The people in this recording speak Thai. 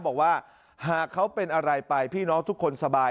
บอกว่าหากเขาเป็นอะไรไปพี่น้องทุกคนสบาย